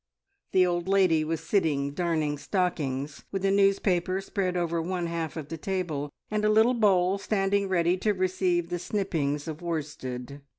The old lady was sitting darning stockings, with a newspaper spread over one half of the table and a little bowl standing ready to receive the snippings of worsted.